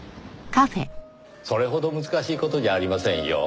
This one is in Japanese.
それほど難しい事じゃありませんよ。